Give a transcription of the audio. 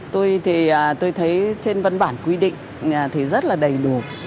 tôi thấy trên văn bản quy định thì rất là đầy đủ